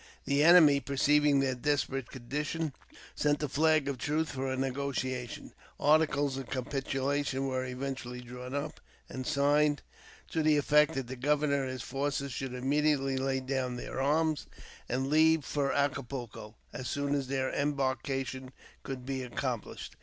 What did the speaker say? The enemy, perceiving their desperate condition, sent a flag of truce for a negotiation. Articles of capitulation were eventually drawn up and signed, to the effect that the governor and his forces should immedi ately lay down their arms, and leave for Acapulco as soon as 390 AUTOBIOGRAPHY OF their embarkation could be accomplished.